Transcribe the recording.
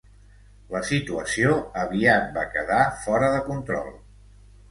La situació aviat va quedar fora de control.